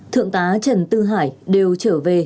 thượng tá trần tư hải đều trở về